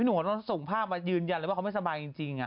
หนูก็ต้องส่งภาพมายืนยันเลยว่าเขาไม่สบายจริง